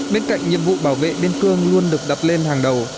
bên cạnh nhiệm vụ bảo vệ bên cương luôn được đập lên hàng đầu